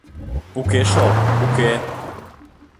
— Уке шол, уке!